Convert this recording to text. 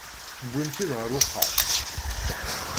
Tewwim-tt-id ɣer uxxam?